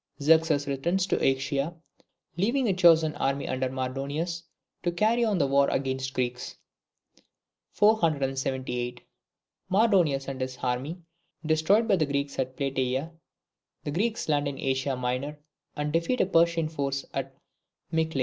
Xerxes returns to Asia, leaving a chosen army under Mardonius, to carry on the war against the Greeks. 478. Mardonius and his army destroyed by the Greeks at Plataea The Greeks land in Asia Minor, and defeat a Persian force at Mycale.